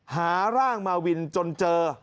หาร่างมาวินจนเจอ